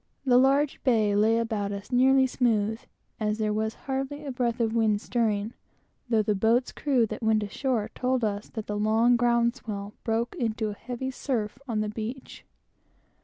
The large bay lay about us, nearly smooth, as there was hardly a breath of wind stirring, though the boat's crew who went ashore told us that the long ground swell broke into a heavy surf upon the beach.